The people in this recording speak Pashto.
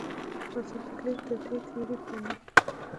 اسان تحلیل توطیې تیوري پناه